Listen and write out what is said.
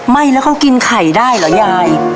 ไม่แล้วก็กินไข่ได้เหรอยาย